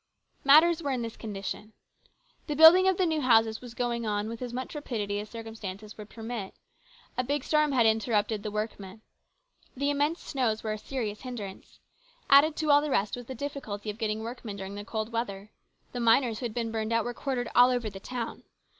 Matters were in this condition. The building of the new houses was going on with as much rapidity as circumstances would permit. A big storm had interrupted the workmen. The immense snows were a serious hindrance. Added to all the rest was the difficulty of getting workmen during the cold weather. The miners who had been burned out THE CONFERENCE. 259 were quartered all over the town.